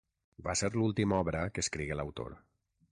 Va ser l'última obra que escrigué l'autor.